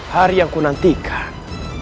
hari yang ku nantikan